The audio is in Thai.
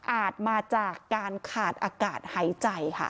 อาจมาจากการขาดอากาศหายใจ